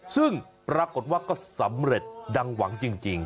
ซึ่งปรากฏว่าก็สำเร็จดังหวังจริง